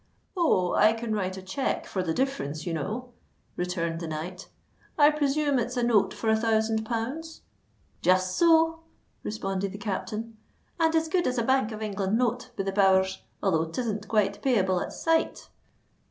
"Oh! I can write a cheque for the difference, you know," returned the knight. "I presume it's a note for a thousand pounds?" "Just so," responded the captain; "and as good as a Bank of England note, be the powers—although 'tisn't quite payable at sight."